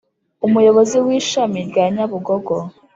Umuyobozi w Ishami rya nyabugogo